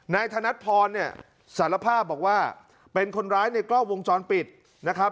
ธนัดพรเนี่ยสารภาพบอกว่าเป็นคนร้ายในกล้องวงจรปิดนะครับ